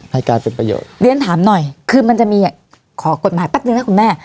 ให้กลายเป็นประโยชน์เรียนถามหน่อยคือมันจะมีขอกฎหมายแป๊บนึงนะคุณแม่